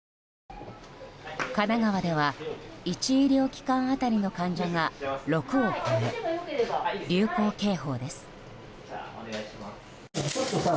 神奈川では、１医療機関当たりの患者が６を超え流行警報です。